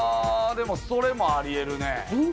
でもそれもあり得るね。